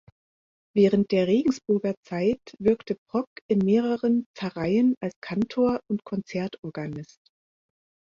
Während der Regensburger Zeit wirkte Prock in mehreren Pfarreien als Kantor und Konzertorganist.